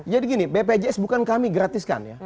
jadi gini bpjs bukan kami gratiskan ya